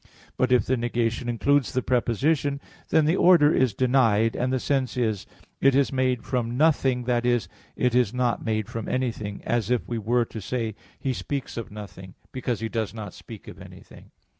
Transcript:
But if the negation includes the preposition, then the order is denied, and the sense is, "It is made from nothing i.e. it is not made from anything" as if we were to say, "He speaks of nothing," because he does not speak of anything.